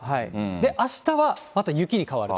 あしたはまた雪に変わると。